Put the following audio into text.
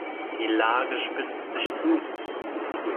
Die Lage spitzt sich zu.